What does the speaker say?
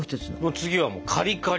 次はもう「カリカリ」！